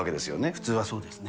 普通はそうですね。